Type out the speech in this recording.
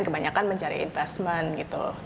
kebanyakan mencari investment gitu